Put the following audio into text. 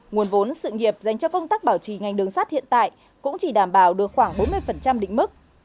nguồn vốn sự nghiệp dành cho công tác bảo trì ngành đường sắt hiện tại cũng chỉ đảm bảo được khoảng bốn mươi định mức